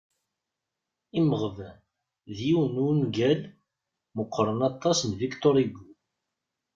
"Imeɣban" d yiwen n wungal meqqren aṭas n Victor Hugo.